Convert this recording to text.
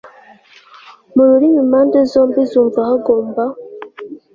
mu rurimi impande zombi zumva hagomba